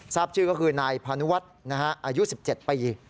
ทราบชื่อก็คือนายพานุวัฒน์อายุ๑๗ปี